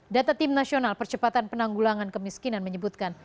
data tim nasional percepatan penanggulangan kemiskinan menyebutkan